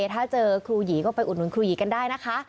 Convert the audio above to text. ถ้าเจอครูหยีก็ไปอุดหนุนครูหยีกันได้นะคะ